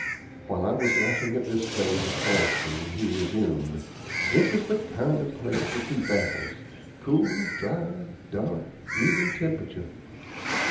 While I was laughing at this phase of honesty, he resumed: "This is the kind of place to keep apples cool, dry, dark, even temperature.